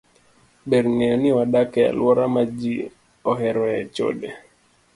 Ber ng'eyo ni wadak e alwora ma ji oheroe chode.